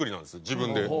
自分で。